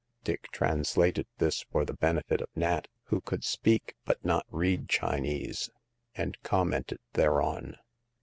Dick translated this for the benefit of Nat, who could speak but not read Chinese, and commented thereon.